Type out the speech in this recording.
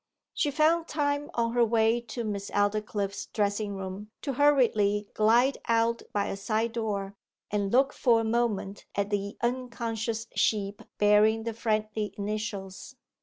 She found time on her way to Miss Aldclyffe's dressing room to hurriedly glide out by a side door, and look for a moment at the unconscious sheep bearing the friendly initials.